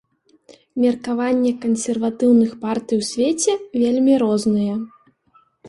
Меркаванні кансерватыўных партый у свеце вельмі розныя.